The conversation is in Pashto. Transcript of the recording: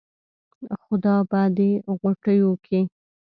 خدا به دې ِغوټېو کې